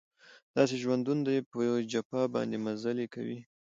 داسې ژوندون دی په جفا باندې مزلې کوي